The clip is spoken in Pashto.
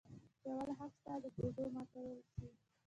چې اول حق ستا د ګوډو ماتو شي.